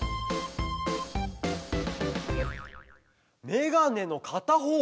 メガネのかたほう！